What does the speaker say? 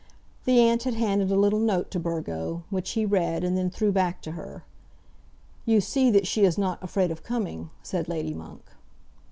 The aunt had handed a little note to Burgo, which he read and then threw back to her. "You see that she is not afraid of coming," said Lady Monk.